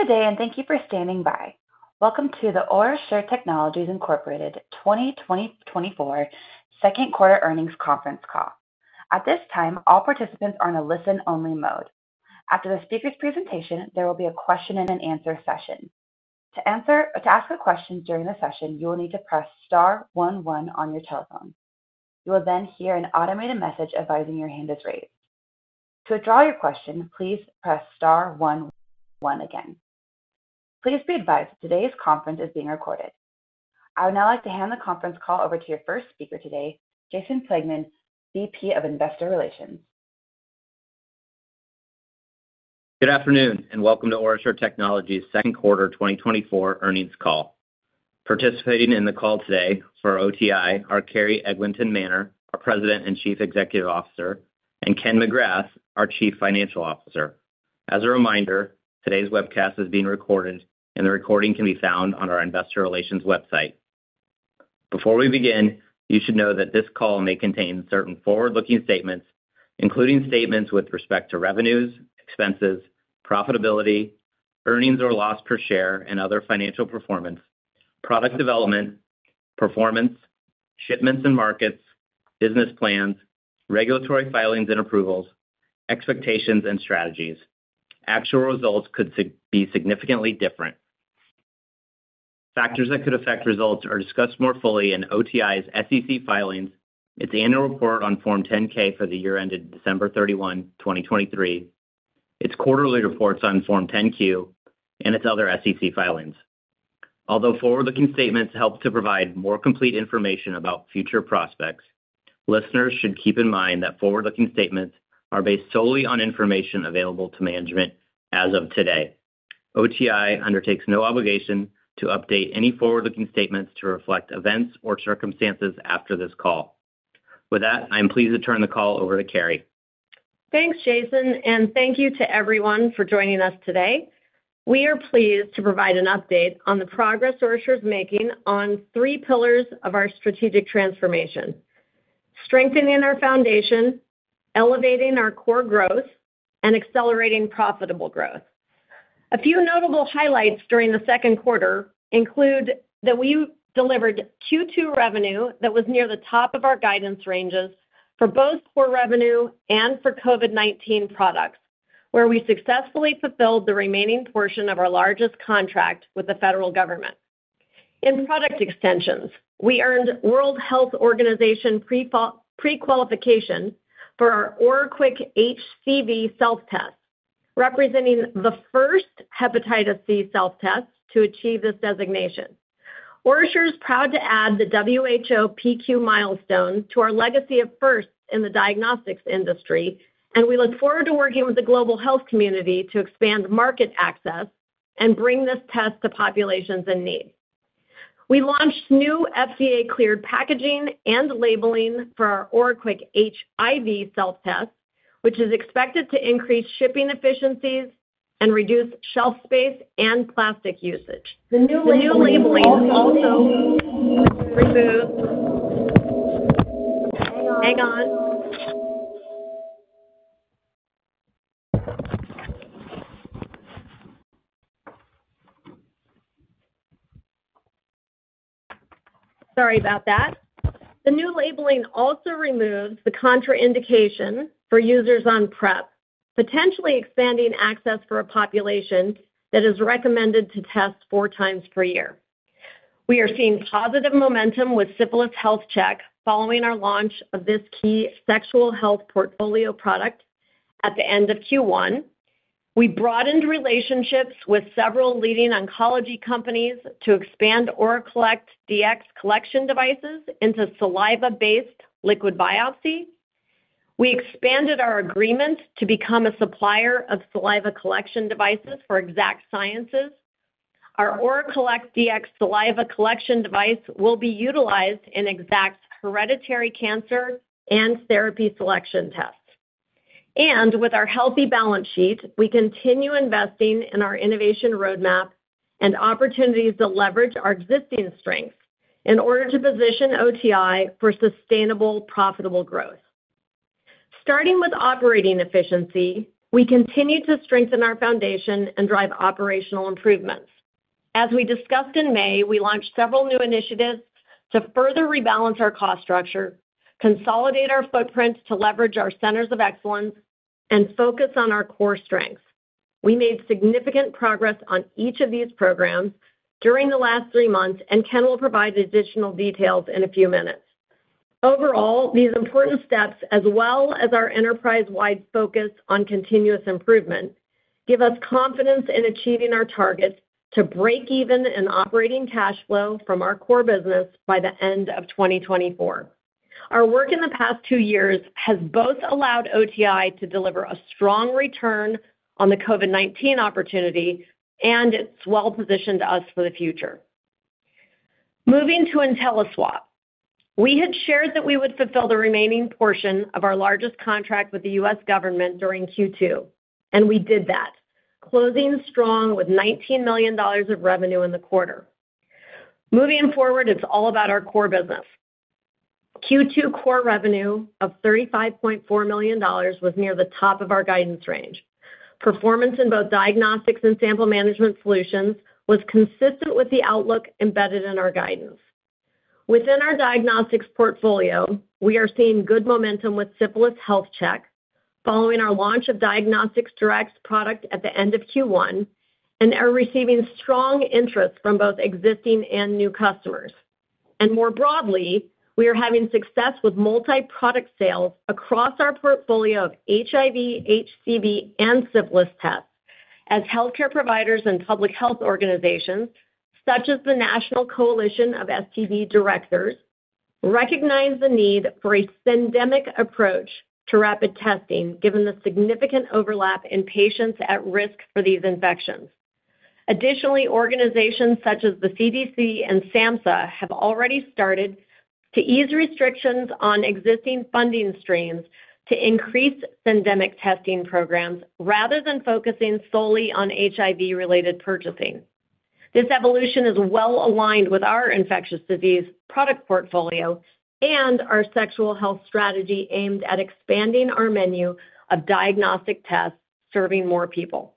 Good day, and thank you for standing by. Welcome to the OraSure Technologies Incorporated 2024 second quarter earnings conference call. At this time, all participants are in a listen-only mode. After the speaker's presentation, there will be a question-and-answer session. To ask a question during the session, you will need to press star one one on your telephone. You will then hear an automated message advising your hand is raised. To withdraw your question, please press star one one again. Please be advised today's conference is being recorded. I would now like to hand the conference call over to your first speaker today, Jason Plageman, VP of Investor Relations. Good afternoon, and welcome to OraSure Technologies' second quarter 2024 earnings call. Participating in the call today for OTI are Carrie Eglinton Manner, our President and Chief Executive Officer, and Ken McGrath, our Chief Financial Officer. As a reminder, today's webcast is being recorded, and the recording can be found on our investor relations website. Before we begin, you should know that this call may contain certain forward-looking statements, including statements with respect to revenues, expenses, profitability, earnings or loss per share, and other financial performance, product development, performance, shipments and markets, business plans, regulatory filings and approvals, expectations, and strategies. Actual results could be significantly different. Factors that could affect results are discussed more fully in OTI's SEC filings, its annual report on Form 10-K for the year ended December 31, 2023, its quarterly reports on Form 10-Q, and its other SEC filings. Although forward-looking statements help to provide more complete information about future prospects, listeners should keep in mind that forward-looking statements are based solely on information available to management as of today. OTI undertakes no obligation to update any forward-looking statements to reflect events or circumstances after this call. With that, I'm pleased to turn the call over to Carrie. Thanks, Jason, and thank you to everyone for joining us today. We are pleased to provide an update on the progress OraSure is making on three pillars of our strategic transformation: strengthening our foundation, elevating our core growth, and accelerating profitable growth. A few notable highlights during the second quarter include that we delivered Q2 revenue that was near the top of our guidance ranges for both core revenue and for COVID-19 products, where we successfully fulfilled the remaining portion of our largest contract with the federal government. In product extensions, we earned World Health Organization prequalification for our OraQuick HCV self-test, representing the first hepatitis C self-test to achieve this designation. OraSure is proud to add the WHO PQ milestone to our legacy of firsts in the diagnostics industry, and we look forward to working with the global health community to expand market access and bring this test to populations in need. We launched new FDA-cleared packaging and labeling for our OraQuick HIV self-test, which is expected to increase shipping efficiencies and reduce shelf space and plastic usage. The new labeling also... Hang on. Sorry about that. The new labeling also removes the contraindication for users on PrEP, potentially expanding access for a population that is recommended to test four times per year. We are seeing positive momentum with Syphilis Health Check following our launch of this key sexual health portfolio product at the end of Q1. We broadened relationships with several leading oncology companies to expand ORAcollect Dx collection devices into saliva-based liquid biopsy. We expanded our agreement to become a supplier of saliva collection devices for Exact Sciences. Our ORAcollect Dx saliva collection device will be utilized in Exact's hereditary cancer and therapy selection tests. With our healthy balance sheet, we continue investing in our innovation roadmap and opportunities to leverage our existing strengths in order to position OTI for sustainable, profitable growth. Starting with operating efficiency, we continue to strengthen our foundation and drive operational improvements. As we discussed in May, we launched several new initiatives to further rebalance our cost structure, consolidate our footprints to leverage our centers of excellence, and focus on our core strengths. We made significant progress on each of these programs during the last three months, and Ken will provide additional details in a few minutes. Overall, these important steps, as well as our enterprise-wide focus on continuous improvement, give us confidence in achieving our targets to break even in operating cash flow from our core business by the end of 2024. Our work in the past two years has both allowed OTI to deliver a strong return on the COVID-19 opportunity, and it's well-positioned us for the future. Moving to InteliSwab, we had shared that we would fulfill the remaining portion of our largest contract with the U.S. government during Q2, and we did that, closing strong with $19 million of revenue in the quarter. Moving forward, it's all about our core business.... Q2 core revenue of $35.4 million was near the top of our guidance range. Performance in both diagnostics and sample management solutions was consistent with the outlook embedded in our guidance. Within our diagnostics portfolio, we are seeing good momentum with Syphilis Health Check, following our launch of Diagnostics Direct product at the end of Q1, and are receiving strong interest from both existing and new customers. More broadly, we are having success with multi-product sales across our portfolio of HIV, HCV, and syphilis tests, as healthcare providers and public health organizations, such as the National Coalition of STD Directors, recognize the need for a syndemic approach to rapid testing, given the significant overlap in patients at risk for these infections. Additionally, organizations such as the CDC and SAMHSA have already started to ease restrictions on existing funding streams to increase syndemic testing programs, rather than focusing solely on HIV-related purchasing. This evolution is well aligned with our infectious disease product portfolio and our sexual health strategy aimed at expanding our menu of diagnostic tests, serving more people.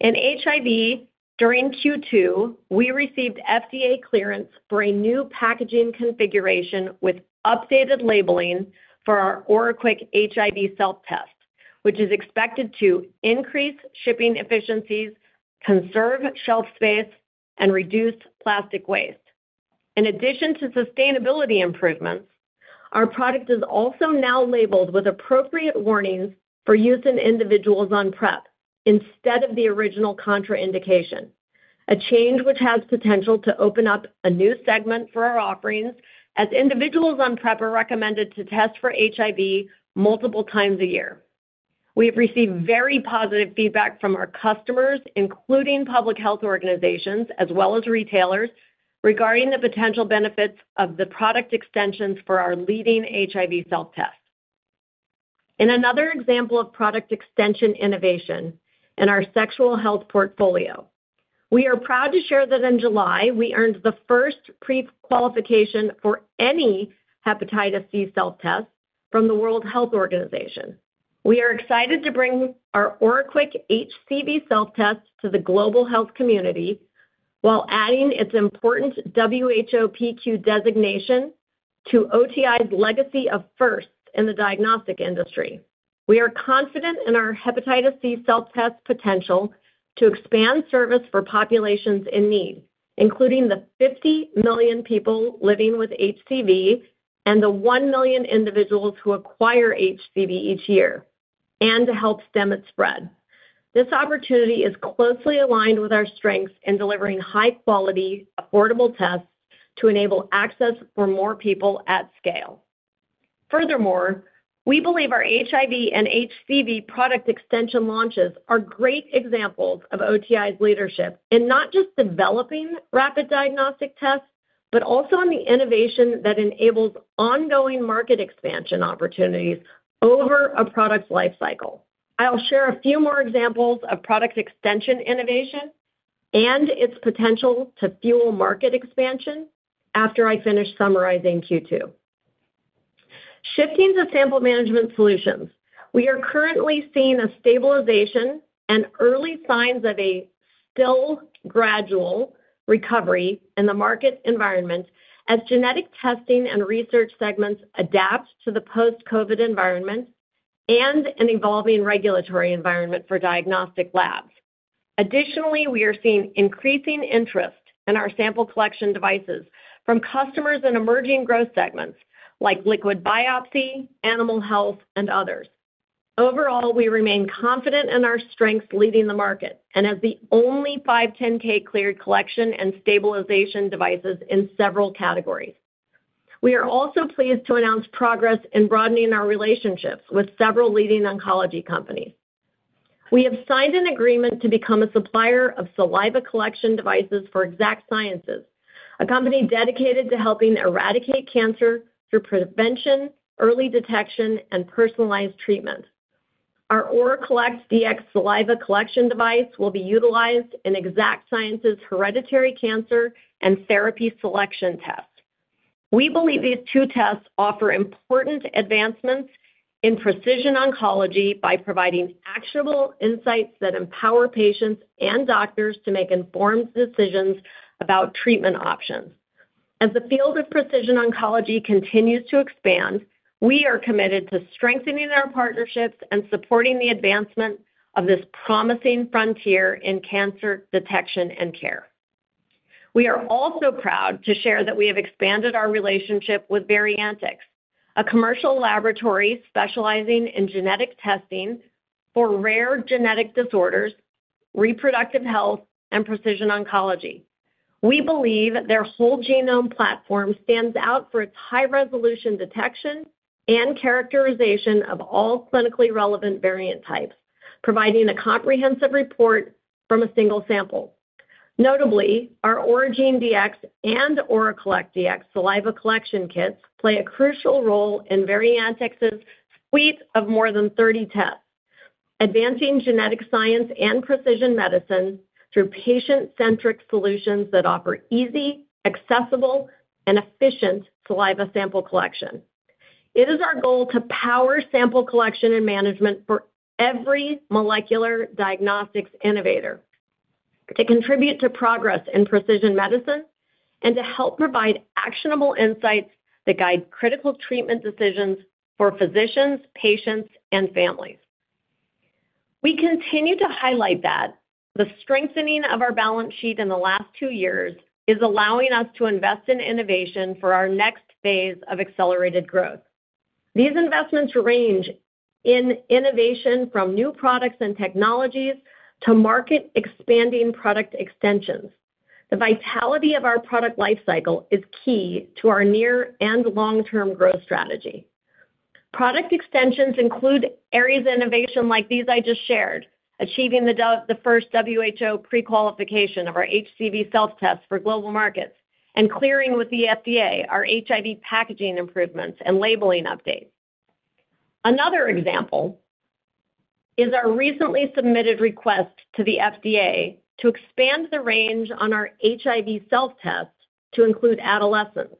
In HIV, during Q2, we received FDA clearance for a new packaging configuration with updated labeling for our OraQuick HIV self-test, which is expected to increase shipping efficiencies, conserve shelf space, and reduce plastic waste. In addition to sustainability improvements, our product is also now labeled with appropriate warnings for use in individuals on PrEP, instead of the original contraindication, a change which has potential to open up a new segment for our offerings, as individuals on PrEP are recommended to test for HIV multiple times a year. We've received very positive feedback from our customers, including public health organizations as well as retailers, regarding the potential benefits of the product extensions for our leading HIV self-test. In another example of product extension innovation in our sexual health portfolio, we are proud to share that in July, we earned the first pre-qualification for any hepatitis C self-test from the World Health Organization. We are excited to bring our OraQuick HCV self-test to the global health community while adding its important WHO PQ designation to OTI's legacy of firsts in the diagnostic industry. We are confident in our hepatitis C self-test potential to expand service for populations in need, including the 50 million people living with HCV and the 1 million individuals who acquire HCV each year, and to help stem its spread. This opportunity is closely aligned with our strengths in delivering high-quality, affordable tests to enable access for more people at scale. Furthermore, we believe our HIV and HCV product extension launches are great examples of OTI's leadership in not just developing rapid diagnostic tests, but also on the innovation that enables ongoing market expansion opportunities over a product's life cycle. I'll share a few more examples of product extension innovation and its potential to fuel market expansion after I finish summarizing Q2. Shifting to sample management solutions, we are currently seeing a stabilization and early signs of a still gradual recovery in the market environment as genetic testing and research segments adapt to the post-COVID environment and an evolving regulatory environment for diagnostic labs. Additionally, we are seeing increasing interest in our sample collection devices from customers in emerging growth segments like liquid biopsy, animal health, and others. Overall, we remain confident in our strengths leading the market and as the only 510(k) cleared collection and stabilization devices in several categories. We are also pleased to announce progress in broadening our relationships with several leading oncology companies. We have signed an agreement to become a supplier of saliva collection devices for Exact Sciences, a company dedicated to helping eradicate cancer through prevention, early detection, and personalized treatment. Our ORAcollect Dx saliva collection device will be utilized in Exact Sciences' hereditary cancer and therapy selection test. We believe these two tests offer important advancements in precision oncology by providing actionable insights that empower patients and doctors to make informed decisions about treatment options. As the field of precision oncology continues to expand, we are committed to strengthening our partnerships and supporting the advancement of this promising frontier in cancer detection and care. We are also proud to share that we have expanded our relationship with Variantyx, a commercial laboratory specializing in genetic testing for rare genetic disorders, reproductive health, and precision oncology. We believe their whole genome platform stands out for its high-resolution detection and characterization of all clinically relevant variant types, providing a comprehensive report from a single sample. Notably, our Oragene Dx and ORAcollect Dx saliva collection kits play a crucial role in Variantyx's suite of more than thirty tests.... advancing genetic science and precision medicine through patient-centric solutions that offer easy, accessible, and efficient saliva sample collection. It is our goal to power sample collection and management for every molecular diagnostics innovator, to contribute to progress in precision medicine, and to help provide actionable insights that guide critical treatment decisions for physicians, patients, and families. We continue to highlight that the strengthening of our balance sheet in the last two years is allowing us to invest in innovation for our next phase of accelerated growth. These investments range in innovation from new products and technologies to market-expanding product extensions. The vitality of our product life cycle is key to our near and long-term growth strategy. Product extensions include areas of innovation like these I just shared, achieving the the first WHO prequalification of our HCV self-test for global markets, and clearing with the FDA our HIV packaging improvements and labeling updates. Another example is our recently submitted request to the FDA to expand the range on our HIV self-test to include adolescents.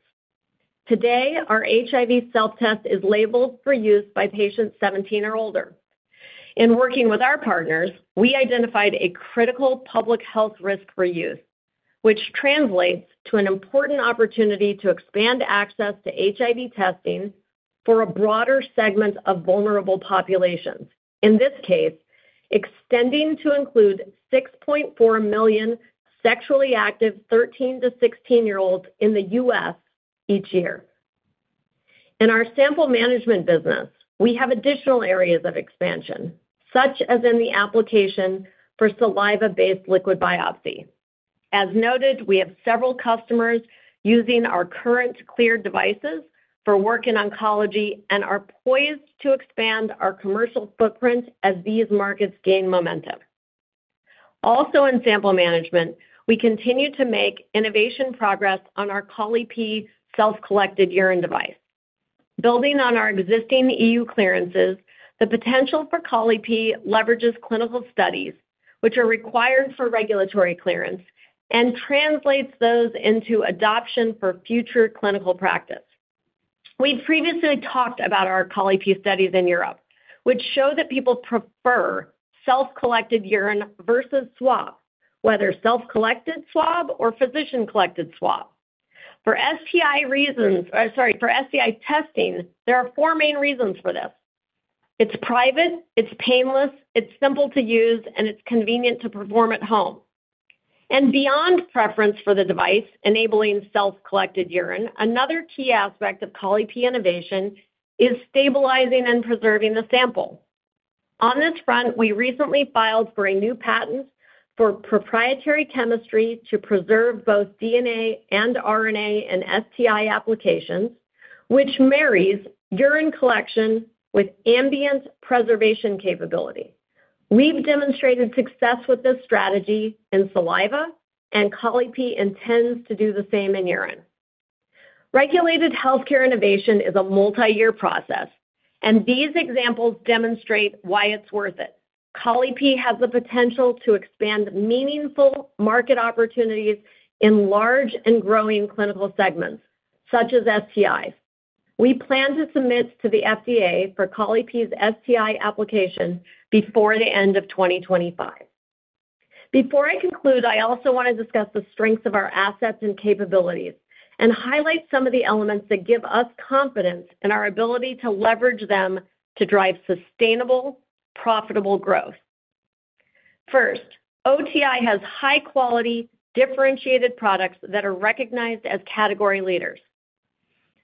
Today, our HIV self-test is labeled for use by patients 17 or older. In working with our partners, we identified a critical public health risk for youth, which translates to an important opportunity to expand access to HIV testing for a broader segment of vulnerable populations, in this case, extending to include 6.4 million sexually active 13- to 16-year-olds in the U.S. each year. In our sample management business, we have additional areas of expansion, such as in the application for saliva-based liquid biopsy. As noted, we have several customers using our current cleared devices for work in oncology and are poised to expand our commercial footprint as these markets gain momentum. Also, in sample management, we continue to make innovation progress on our Colli-Pee self-collected urine device. Building on our existing E.U. clearances, the potential for Colli-Pee leverages clinical studies, which are required for regulatory clearance, and translates those into adoption for future clinical practice. We've previously talked about our Colli-Pee studies in Europe, which show that people prefer self-collected urine versus swab, whether self-collected swab or physician-collected swab. For STI testing, there are four main reasons for this: It's private, it's painless, it's simple to use, and it's convenient to perform at home. Beyond preference for the device, enabling self-collected urine, another key aspect of Colli-Pee innovation is stabilizing and preserving the sample. On this front, we recently filed for a new patent for proprietary chemistry to preserve both DNA and RNA in STI applications, which marries urine collection with ambient preservation capability. We've demonstrated success with this strategy in saliva, and Colli-Pee intends to do the same in urine. Regulated healthcare innovation is a multiyear process, and these examples demonstrate why it's worth it. Colli-Pee has the potential to expand meaningful market opportunities in large and growing clinical segments, such as STIs. We plan to submit to the FDA for Colli-Pee's STI application before the end of 2025. Before I conclude, I also want to discuss the strengths of our assets and capabilities and highlight some of the elements that give us confidence in our ability to leverage them to drive sustainable, profitable growth. First, OTI has high-quality, differentiated products that are recognized as category leaders.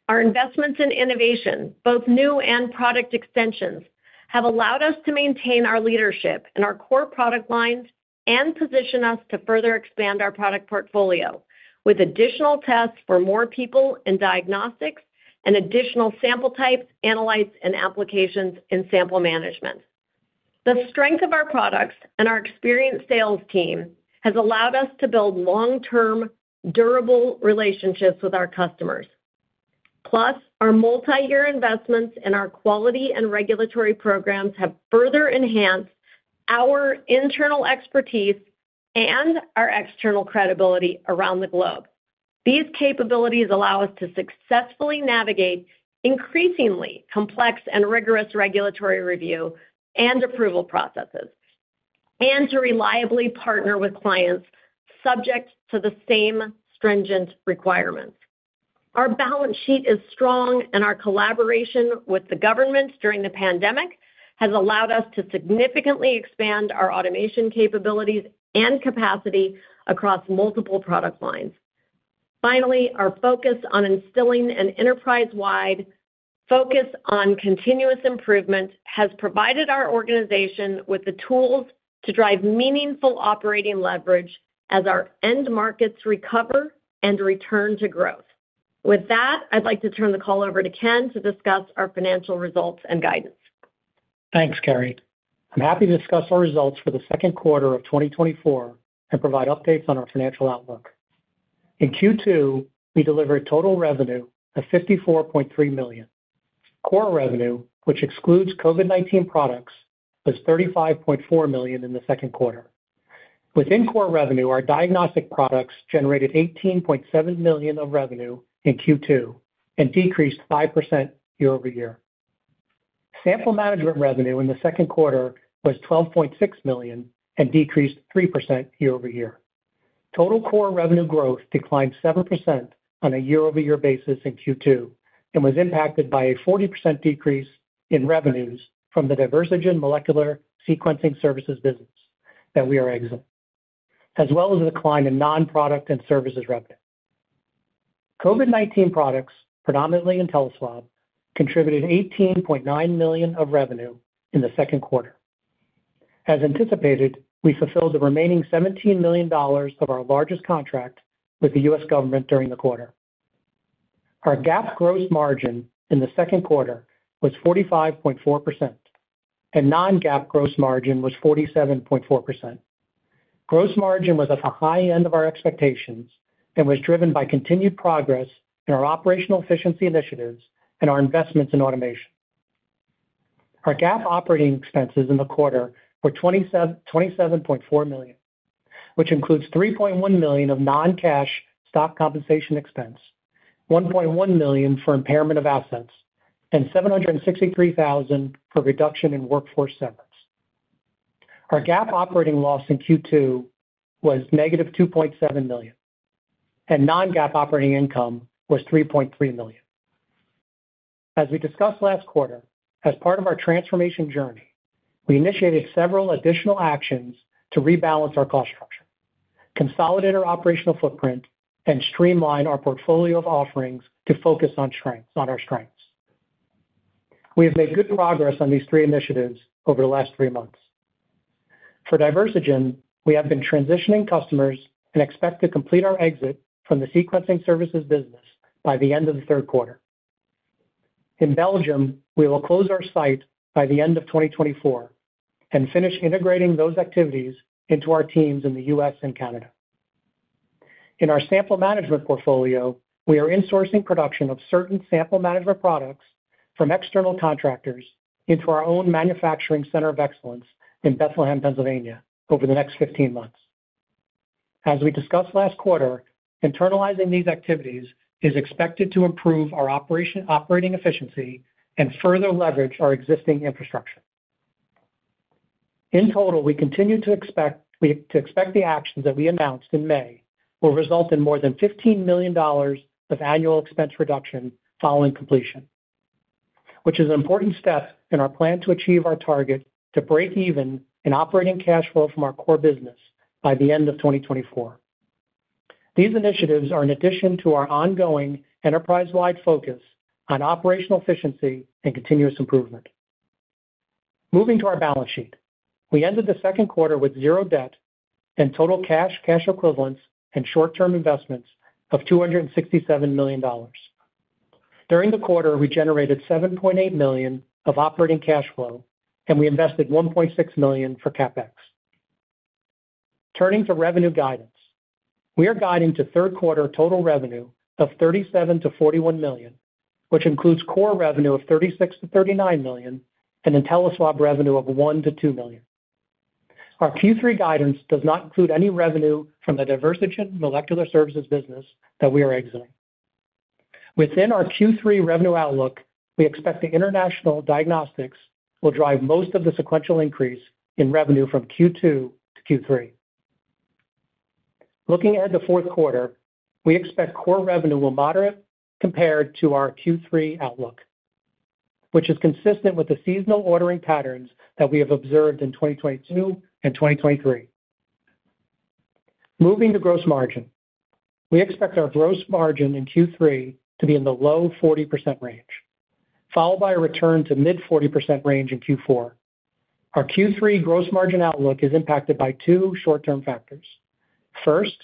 Our investments in innovation, both new and product extensions, have allowed us to maintain our leadership in our core product lines and position us to further expand our product portfolio with additional tests for more people in diagnostics and additional sample types, analytes, and applications in sample management. The strength of our products and our experienced sales team has allowed us to build long-term, durable relationships with our customers. Plus, our multiyear investments in our quality and regulatory programs have further enhanced our internal expertise and our external credibility around the globe. These capabilities allow us to successfully navigate increasingly complex and rigorous regulatory review and approval processes, and to reliably partner with clients subject to the same stringent requirements. Our balance sheet is strong, and our collaboration with the governments during the pandemic has allowed us to significantly expand our automation capabilities and capacity across multiple product lines. Finally, our focus on instilling an enterprise-wide focus on continuous improvement has provided our organization with the tools to drive meaningful operating leverage as our end markets recover and return to growth. With that, I'd like to turn the call over to Ken to discuss our financial results and guidance. Thanks, Carrie. I'm happy to discuss our results for the second quarter of 2024 and provide updates on our financial outlook. In Q2, we delivered total revenue of $54.3 million. Core revenue, which excludes COVID-19 products, was $35.4 million in the second quarter. Within core revenue, our diagnostic products generated $18.7 million of revenue in Q2 and decreased 5% year-over-year. Sample management revenue in the second quarter was $12.6 million and decreased 3% year-over-year. Total core revenue growth declined 7% on a year-over-year basis in Q2 and was impacted by a 40% decrease in revenues from the Diversigen molecular sequencing services business that we are exiting, as well as a decline in non-product and services revenue. COVID-19 products, predominantly InteliSwab, contributed $18.9 million of revenue in the second quarter. As anticipated, we fulfilled the remaining $17 million of our largest contract with the U.S. government during the quarter. Our GAAP gross margin in the second quarter was 45.4%, and non-GAAP gross margin was 47.4%. Gross margin was at the high end of our expectations and was driven by continued progress in our operational efficiency initiatives and our investments in automation. Our GAAP operating expenses in the quarter were $27.4 million, which includes $3.1 million of non-cash stock compensation expense, $1.1 million for impairment of assets, and $763,000 for reduction in workforce severance. Our GAAP operating loss in Q2 was -$2.7 million, and non-GAAP operating income was $3.3 million. As we discussed last quarter, as part of our transformation journey, we initiated several additional actions to rebalance our cost structure, consolidate our operational footprint, and streamline our portfolio of offerings to focus on strengths, on our strengths. We have made good progress on these three initiatives over the last three months. For Diversigen, we have been transitioning customers and expect to complete our exit from the sequencing services business by the end of the third quarter. In Belgium, we will close our site by the end of 2024 and finish integrating those activities into our teams in the U.S. and Canada. In our sample management portfolio, we are insourcing production of certain sample management products from external contractors into our own manufacturing center of excellence in Bethlehem, Pennsylvania, over the next 15 months. As we discussed last quarter, internalizing these activities is expected to improve our operating efficiency and further leverage our existing infrastructure. In total, we continue to expect the actions that we announced in May will result in more than $15 million of annual expense reduction following completion, which is an important step in our plan to achieve our target to break even in operating cash flow from our core business by the end of 2024. These initiatives are in addition to our ongoing enterprise-wide focus on operational efficiency and continuous improvement. Moving to our balance sheet. We ended the second quarter with zero debt and total cash, cash equivalents, and short-term investments of $267 million. During the quarter, we generated $7.8 million of operating cash flow, and we invested $1.6 million for CapEx. Turning to revenue guidance. We are guiding to third quarter total revenue of $37 million-$41 million, which includes core revenue of $36 million-$39 million and InteliSwab revenue of $1 million-$2 million. Our Q3 guidance does not include any revenue from the Diversigen molecular services business that we are exiting. Within our Q3 revenue outlook, we expect the international diagnostics will drive most of the sequential increase in revenue from Q2 to Q3. Looking at the fourth quarter, we expect core revenue will moderate compared to our Q3 outlook, which is consistent with the seasonal ordering patterns that we have observed in 2022 and 2023. Moving to gross margin. We expect our gross margin in Q3 to be in the low 40% range, followed by a return to mid 40% range in Q4. Our Q3 gross margin outlook is impacted by two short-term factors. First,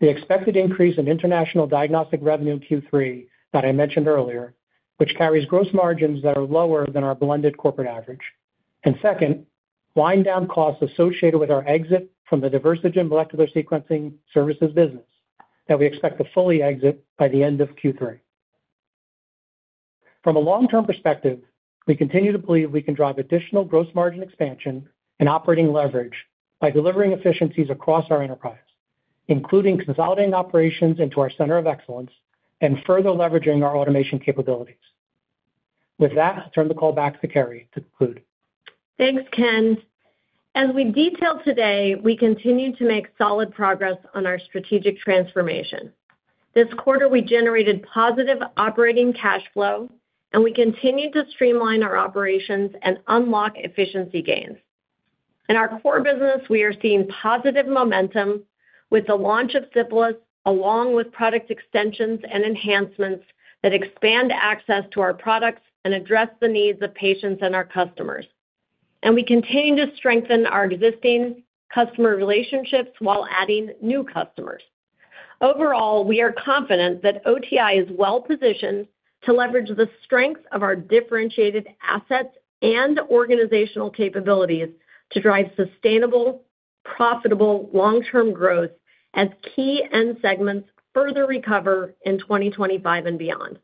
the expected increase in international diagnostic revenue in Q3 that I mentioned earlier, which carries gross margins that are lower than our blended corporate average. Second, wind down costs associated with our exit from the Diversigen molecular sequencing services business that we expect to fully exit by the end of Q3. From a long-term perspective, we continue to believe we can drive additional gross margin expansion and operating leverage by delivering efficiencies across our enterprise, including consolidating operations into our center of excellence and further leveraging our automation capabilities. With that, I'll turn the call back to Carrie to conclude. Thanks, Ken. As we detailed today, we continue to make solid progress on our strategic transformation. This quarter, we generated positive operating cash flow, and we continued to streamline our operations and unlock efficiency gains. In our core business, we are seeing positive momentum with the launch of Syphilis, along with product extensions and enhancements that expand access to our products and address the needs of patients and our customers. We continue to strengthen our existing customer relationships while adding new customers. Overall, we are confident that OTI is well positioned to leverage the strength of our differentiated assets and organizational capabilities to drive sustainable, profitable, long-term growth as key end segments further recover in 2025 and beyond.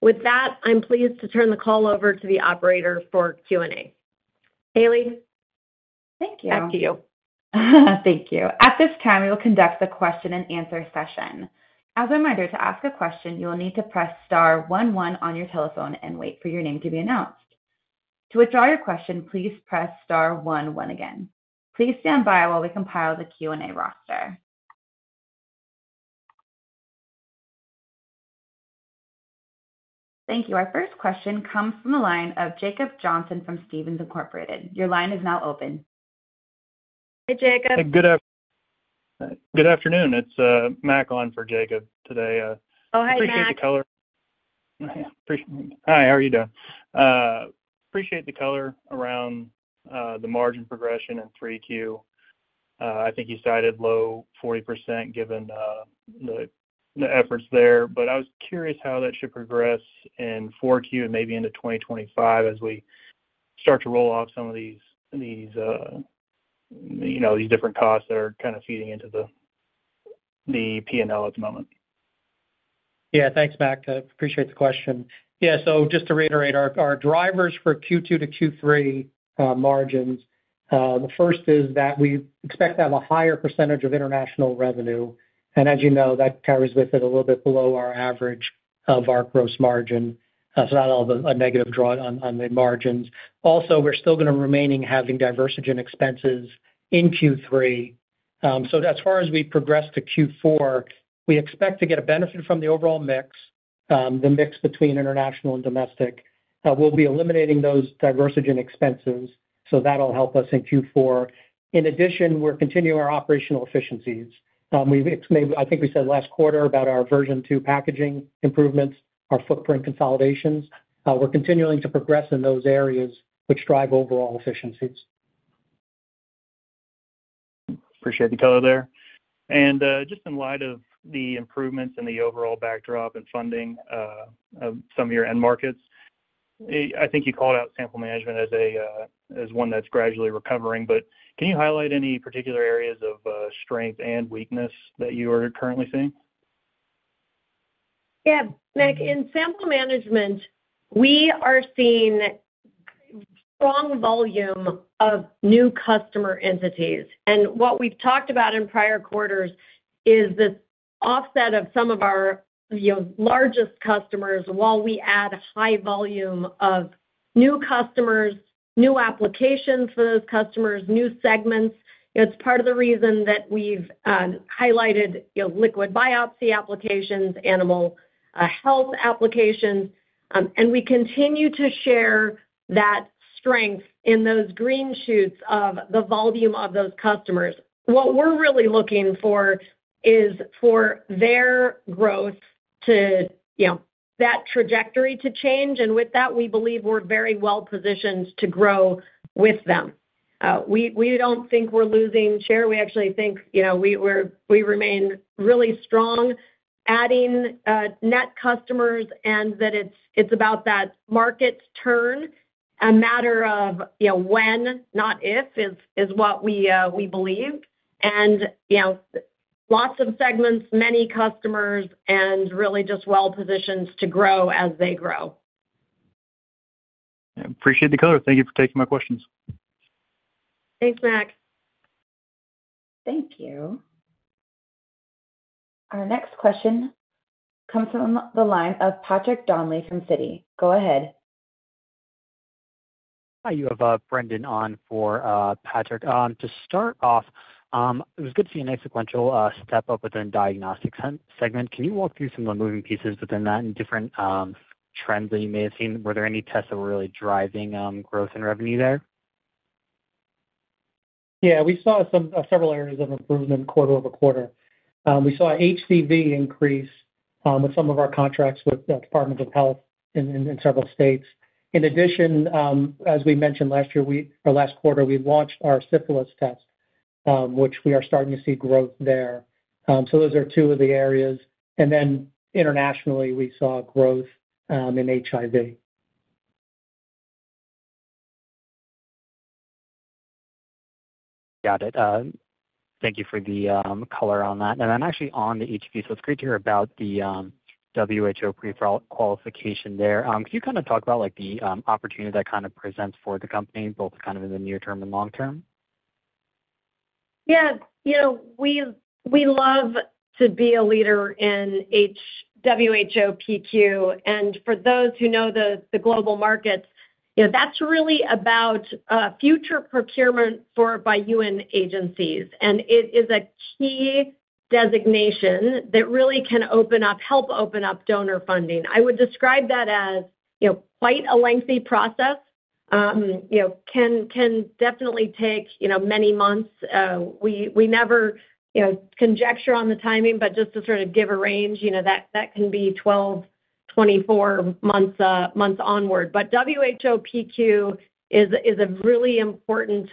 With that, I'm pleased to turn the call over to the operator for Q&A. Haley? Thank you. Back to you. Thank you. At this time, we will conduct the question-and-answer session. As a reminder, to ask a question, you will need to press star one one on your telephone and wait for your name to be announced. To withdraw your question, please press star one one again. Please stand by while we compile the Q&A roster. Thank you. Our first question comes from the line of Jacob Johnson from Stephens Inc. Your line is now open. Hey, Jacob. Good afternoon. It's Mack on for Jacob today. Oh, hi, Mack. Appreciate the color. Hi, how are you doing? Appreciate the color around the margin progression in 3Q. I think you cited low 40%, given the efforts there, but I was curious how that should progress in 4Q and maybe into 2025 as we start to roll out some of these, you know, these different costs that are kind of feeding into the PL at the moment. Yeah, thanks, Mack. I appreciate the question. Yeah, so just to reiterate, our drivers for Q2 to Q3 margins, the first is that we expect to have a higher percentage of international revenue, and as you know, that carries with it a little bit below our average of our gross margin. So not all of a negative draw on the margins. Also, we're still going to remaining having Diversigen expenses in Q3. So as far as we progress to Q4, we expect to get a benefit from the overall mix, the mix between international and domestic. We'll be eliminating those Diversigen expenses, so that'll help us in Q4. In addition, we're continuing our operational efficiencies. I think we said last quarter about our version two packaging improvements, our footprint consolidations. We're continuing to progress in those areas, which drive overall efficiencies. Appreciate the color there. Just in light of the improvements in the overall backdrop and funding of some of your end markets, I think you called out sample management as one that's gradually recovering, but can you highlight any particular areas of strength and weakness that you are currently seeing? Yeah, Nick, in sample management, we are seeing strong volume of new customer entities. And what we've talked about in prior quarters is this offset of some of our, you know, largest customers, while we add high volume of new customers, new applications for those customers, new segments. It's part of the reason that we've highlighted, you know, liquid biopsy applications, animal health applications, and we continue to share that strength in those green shoots of the volume of those customers. What we're really looking for is for their growth to, you know, that trajectory to change, and with that, we believe we're very well positioned to grow with them. We don't think we're losing share. We actually think, you know, we remain really strong, adding net customers, and that it's about that market turn, a matter of, you know, when, not if, is what we believe. You know, lots of segments, many customers, and really just well positioned to grow as they grow. I appreciate the color. Thank you for taking my questions. Thanks, Mack. Thank you. Our next question comes from the line of Patrick Donnelly from Citi. Go ahead. Hi, you have Brendan on for Patrick. To start off, it was good to see a nice sequential step up within diagnostics segment. Can you walk through some of the moving pieces within that and different trends that you may have seen? Were there any tests that were really driving growth in revenue there? Yeah, we saw some several areas of improvement quarter-over-quarter. We saw HCV increase with some of our contracts with the Department of Health in several states. In addition, as we mentioned last year, we or last quarter, we launched our syphilis test, which we are starting to see growth there. So those are two of the areas. And then internationally, we saw growth in HIV. Got it. Thank you for the color on that. And I'm actually on the HCV, so it's great to hear about the WHO pre-qualification there. Can you kind of talk about, like, the opportunity that kind of presents for the company, both kind of in the near term and long term? Yeah. You know, we love to be a leader in WHO PQ. And for those who know the global markets, you know, that's really about future procurement for by UN agencies. And it is a key designation that really can help open up donor funding. I would describe that as, you know, quite a lengthy process. You know, can definitely take, you know, many months, we never, you know, conjecture on the timing, but just to sort of give a range, you know, that can be 12-24 months onward. But WHO PQ is a really important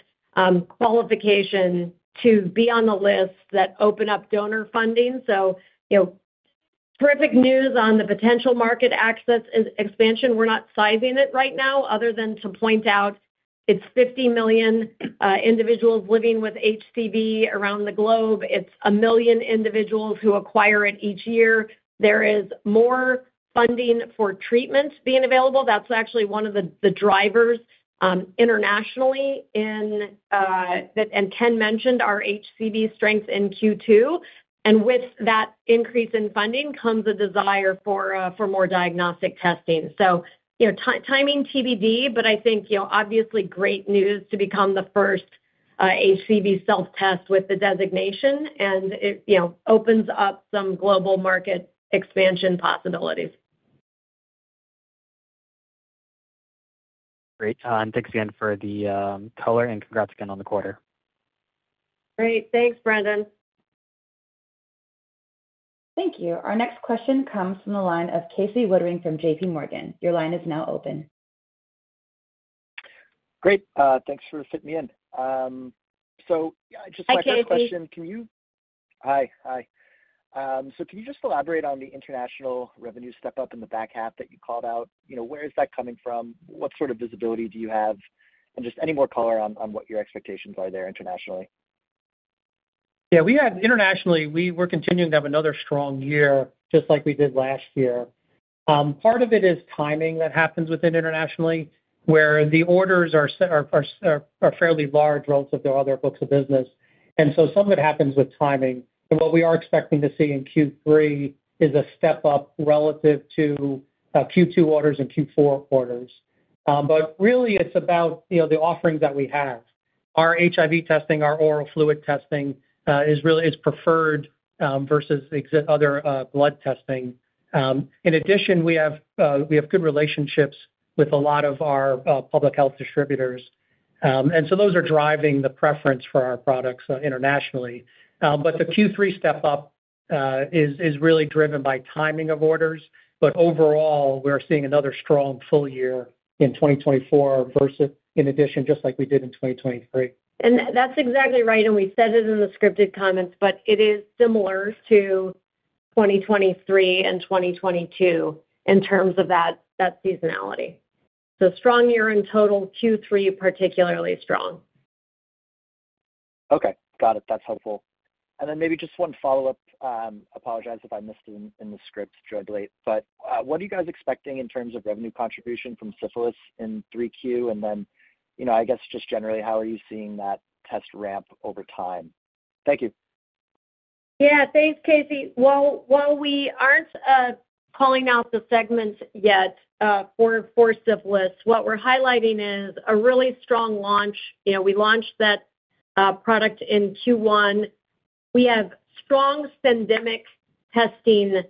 qualification to be on the list that open up donor funding. So, you know, terrific news on the potential market access and expansion. We're not sizing it right now other than to point out it's 50 million individuals living with HCV around the globe. It's 1 million individuals who acquire it each year. There is more funding for treatments being available. That's actually one of the drivers internationally, and Ken mentioned our HCV strength in Q2, and with that increase in funding comes a desire for more diagnostic testing. So, you know, timing TBD, but I think, you know, obviously great news to become the first HCV self-test with the designation, and it, you know, opens up some global market expansion possibilities. Great. And thanks again for the color, and congrats again on the quarter. Great. Thanks, Brendan. Thank you. Our next question comes from the line of Casey Woodring from J.P. Morgan. Your line is now open. Great. Thanks for fitting me in. So I just- Hi, Casey. have a question. Can you... Hi, hi. So can you just elaborate on the international revenue step-up in the back half that you called out? You know, where is that coming from? What sort of visibility do you have? And just any more color on what your expectations are there internationally. Yeah, we have internationally, we're continuing to have another strong year, just like we did last year. Part of it is timing that happens within internationally, where the orders are set are fairly large relative to other books of business, and so some of it happens with timing. But what we are expecting to see in Q3 is a step-up relative to Q2 orders and Q4 orders. But really, it's about, you know, the offerings that we have. Our HIV testing, our oral fluid testing, is preferred versus other blood testing. In addition, we have good relationships with a lot of our public health distributors. And so those are driving the preference for our products internationally. But the Q3 step-up is really driven by timing of orders. Overall, we're seeing another strong full year in 2024 versus in addition, just like we did in 2023. And that's exactly right, and we said it in the scripted comments, but it is similar to 2023 and 2022 in terms of that, that seasonality. So strong year in total, Q3, particularly strong. Okay, got it. That's helpful. And then maybe just one follow-up. Apologize if I missed it in the script jointly, but what are you guys expecting in terms of revenue contribution from syphilis in 3Q? And then, you know, I guess just generally, how are you seeing that test ramp over time? Thank you. Yeah, thanks, Casey. Well, while we aren't calling out the segments yet, for syphilis, what we're highlighting is a really strong launch. You know, we launched that product in Q1. We have strong syndemic testing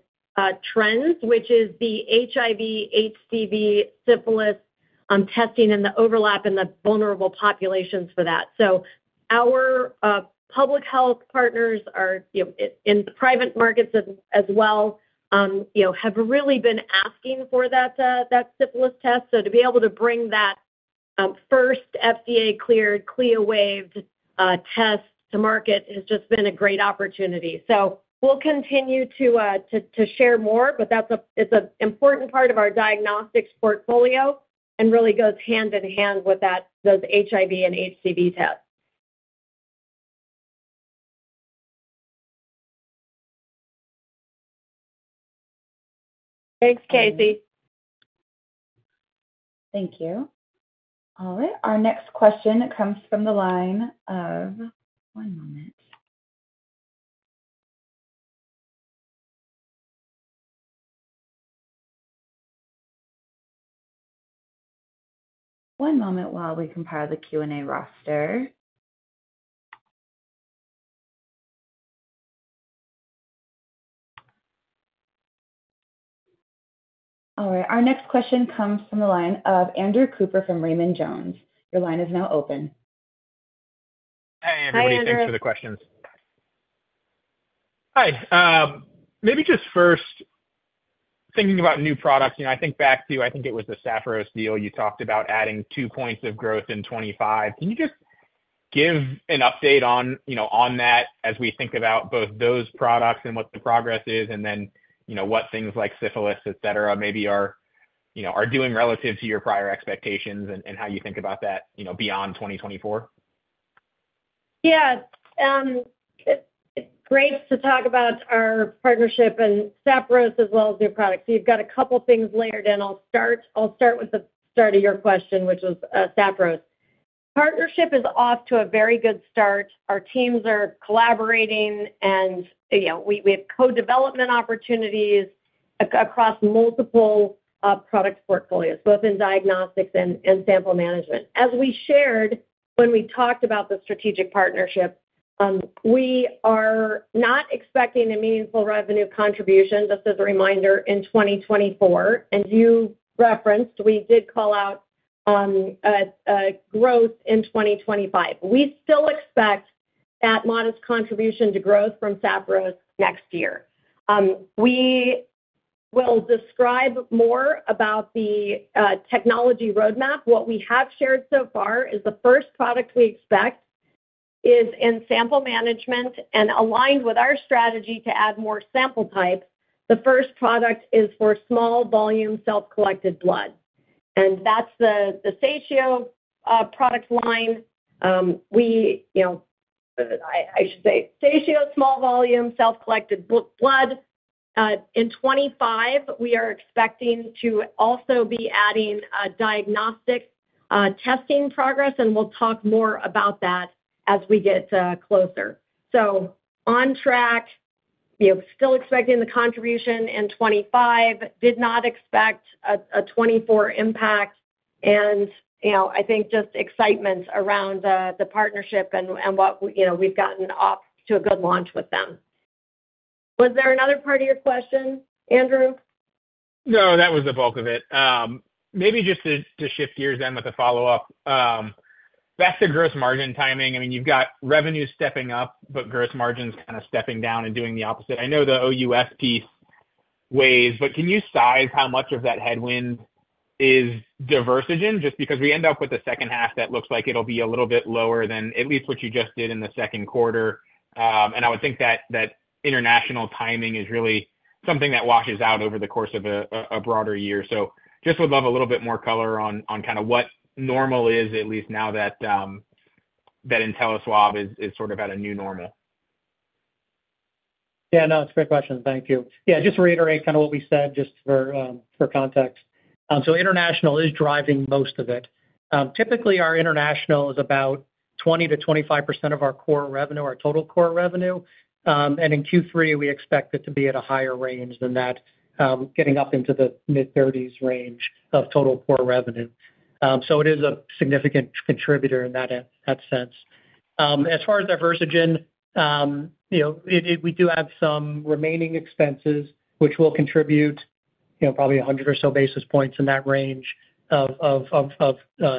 trends, which is the HIV, HCV, syphilis testing and the overlap in the vulnerable populations for that. So our public health partners are, you know, in private markets as well, have really been asking for that syphilis test. So to be able to bring that first FDA-cleared, CLIA-waived test to market has just been a great opportunity. So we'll continue to share more, but that's, it's an important part of our diagnostics portfolio and really goes hand in hand with that, those HIV and HCV tests. Thanks, Casey. Thank you. All right, our next question comes from the line of... One moment. One moment while we compare the Q&A roster. All right, our next question comes from the line of Andrew Cooper from Raymond Jones. Your line is now open. Hi, Andrew. Hey, everybody, thanks for the questions. Hi, maybe just first, thinking about new products, you know, I think back to, I think it was the Sapphiros deal. You talked about adding two points of growth in 2025. Can you just give an update on, you know, on that as we think about both those products and what the progress is, and then, you know, what things like syphilis, et cetera, maybe are, you know, are doing relative to your prior expectations and, and how you think about that, you know, beyond 2024? Yeah. It's great to talk about our partnership and Sapphiros as well as new products. So you've got a couple things layered in. I'll start with the start of your question, which was, Sapphiros. Partnership is off to a very good start. Our teams are collaborating, and, you know, we have co-development opportunities across multiple product portfolios, both in diagnostics and sample management. As we shared when we talked about the strategic partnership, we are not expecting a meaningful revenue contribution, just as a reminder, in 2024. And you referenced, we did call out, a growth in 2025. We still expect that modest contribution to growth from Sapphiros next year. We will describe more about the technology roadmap. What we have shared so far is the first product we expect. is in sample management and aligned with our strategy to add more sample types. The first product is for small volume, self-collected blood, and that's the Satio product line. We, you know, I should say, Satio small volume, self-collected blood. In 2025, we are expecting to also be adding a diagnostic testing progress, and we'll talk more about that as we get closer. So on track, we're still expecting the contribution in 2025. Did not expect a 2024 impact and, you know, I think just excitement around the partnership and what, you know, we've gotten off to a good launch with them. Was there another part of your question, Andrew? No, that was the bulk of it. Maybe just to shift gears then with a follow-up. Back to gross margin timing, I mean, you've got revenue stepping up, but gross margins kind of stepping down and doing the opposite. I know the OUS piece weighs, but can you size how much of that headwind is Diversigen? Just because we end up with a second half that looks like it'll be a little bit lower than at least what you just did in the second quarter. And I would think that international timing is really something that washes out over the course of a broader year. So just would love a little bit more color on kind of what normal is, at least now that that InteliSwab is sort of at a new normal. Yeah, no, it's a great question. Thank you. Yeah, just to reiterate kind of what we said, just for context. So international is driving most of it. Typically, our international is about 20%-25% of our core revenue, our total core revenue. And in Q3, we expect it to be at a higher range than that, getting up into the mid-30s% range of total core revenue. So it is a significant contributor in that, in that sense. As far as Diversigen, you know, it, we do have some remaining expenses which will contribute, you know, probably 100 or so basis points in that range of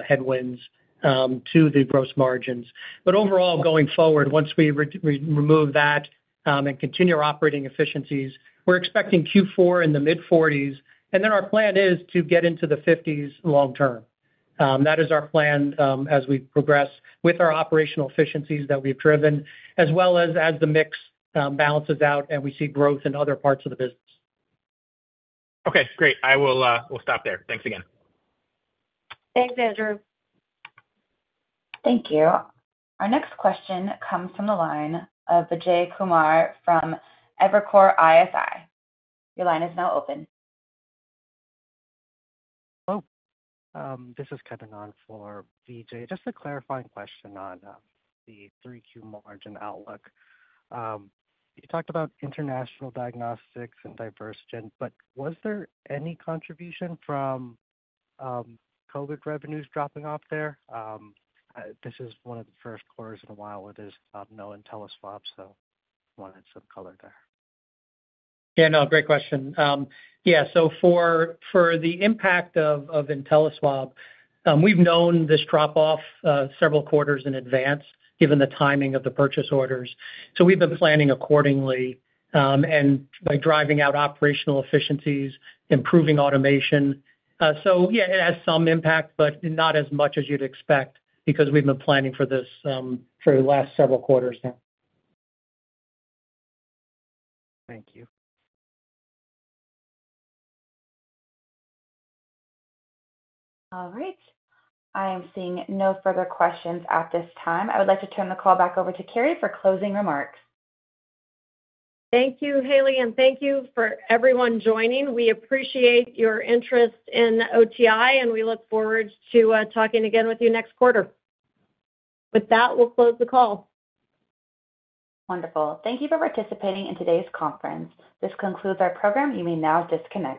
headwinds to the gross margins. But overall, going forward, once we remove that, and continue our operating efficiencies, we're expecting Q4 in the mid-40s, and then our plan is to get into the 50s long term. That is our plan, as we progress with our operational efficiencies that we've driven, as well as, as the mix, balances out and we see growth in other parts of the business. Okay, great. I will, will stop there. Thanks again. Thanks, Andrew. Thank you. Our next question comes from the line of Vijay Kumar from Evercore ISI. Your line is now open. Hello, this is Kevin on for Vijay. Just a clarifying question on the 3Q margin outlook. You talked about international diagnostics and Diversigen, but was there any contribution from COVID revenues dropping off there? This is one of the first quarters in a while where there's no InteliSwab, so wanted some color there. Yeah, no, great question. Yeah, so for the impact of InteliSwab, we've known this drop-off several quarters in advance, given the timing of the purchase orders, so we've been planning accordingly, and by driving out operational efficiencies, improving automation. So yeah, it has some impact, but not as much as you'd expect, because we've been planning for this for the last several quarters now. Thank you. All right. I am seeing no further questions at this time. I would like to turn the call back over to Carrie for closing remarks. Thank you, Haley, and thank you for everyone joining. We appreciate your interest in OTI, and we look forward to talking again with you next quarter. With that, we'll close the call. Wonderful. Thank you for participating in today's conference. This concludes our program. You may now disconnect.